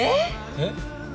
えっ？